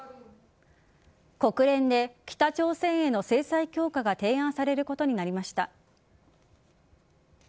国連で北朝鮮への制裁強化が提案されることになりました。